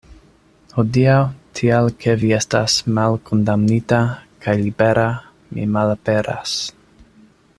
Hodiaŭ, tial ke vi estas malkondamnita kaj libera, mi malaperas.